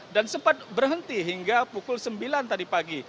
dan sempat berhenti hingga pukul sembilan tadi pagi